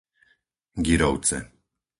Girovce